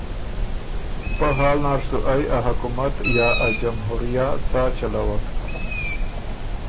پۀ حال نر سُو ائ ا حکومت یا ا جمهوریه څا چَلَوک